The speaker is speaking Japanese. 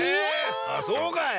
あっそうかい。